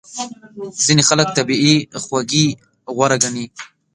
ځینې خلک طبیعي خوږې غوره ګڼي.